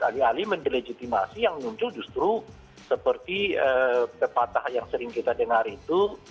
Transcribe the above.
alih alih mendelegitimasi yang muncul justru seperti pepatah yang sering kita dengar itu